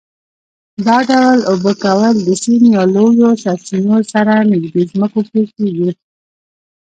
دا ډول اوبه کول د سیند یا لویو سرچینو سره نږدې ځمکو کې کېږي.